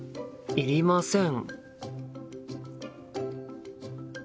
いりません。